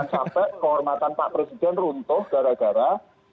jangan sampai kehormatan pak presiden runtuh gara gara